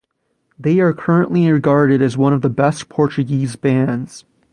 They are currently regarded as one of the best Portuguese bands.